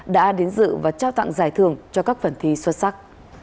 đã đến dự và trao tặng giải thưởng cho các phần thi xuất sắc